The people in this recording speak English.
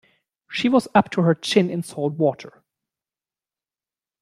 She was up to her chin in salt water.